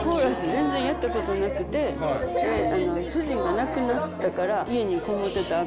全然やったことなくて、主人が亡くなったから家にこもってたらあ